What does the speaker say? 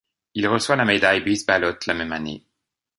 Il reçoit la Médaille Buys Ballot la même année.